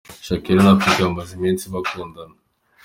Shakira na Pique bamaze iminsi bakundana.